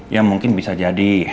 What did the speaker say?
ya mungkin bisa jadi